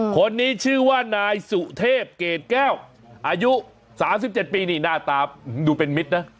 คนนี้ชื่อว่านายสุเทพเกรดแก้วอายุ๓๗ปีนี่หน้าตาดูเป็นมิตรนะ